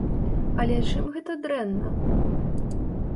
Але чым гэта дрэнна?